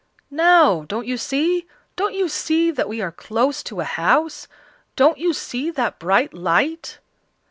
"Now, don't you see? Don't you see that we are close to a house? Don't you see that bright light?"